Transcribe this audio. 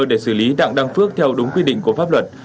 để xử lý đặng đăng phước theo đúng quy định của pháp luật